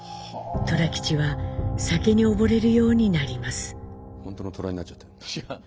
寅吉は酒に溺れるようになります。